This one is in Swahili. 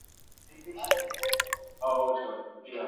Mapishi ya viazi lishe